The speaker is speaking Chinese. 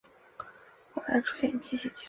后来出现机械计算器。